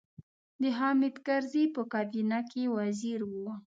د حامد کرزي په کابینه کې وزیر و.